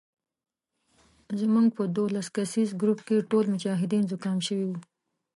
زموږ په دولس کسیز ګروپ کې ټول مجاهدین زکام شوي وو.